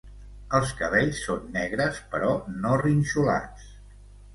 Els cabells són negres però no rinxolats.